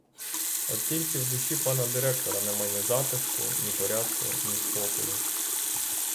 От тільки в душі пана директора нема ні затишку, ні порядку, ні спокою.